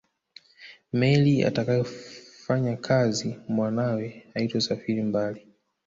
Meli atakayofanyakazi mwanawe haitosafiri mbali